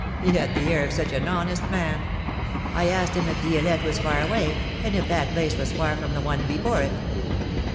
he had the air of such an honest man !— I asked him if Di^lette was far away, and if that place was far from the one before it.